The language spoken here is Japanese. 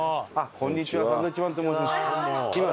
こんにちはサンドウィッチマンと申します。